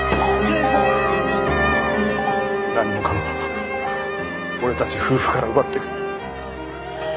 何もかも俺たち夫婦から奪っていく。